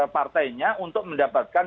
partainya untuk mendapatkan